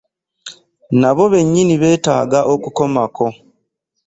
Nabo bennyini beetaaga okukomako.